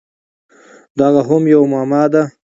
دغه هم یوه معما ده!